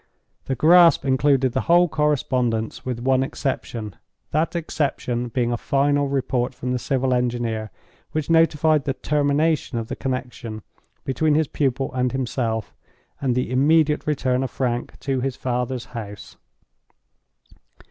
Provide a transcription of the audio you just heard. The grasp included the whole correspondence, with one exception—that exception being a final report from the civil engineer, which notified the termination of the connection between his pupil and himself, and the immediate return of Frank to his father's house.